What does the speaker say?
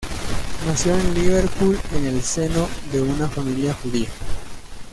Nació en Liverpool en el seno de una familia judía.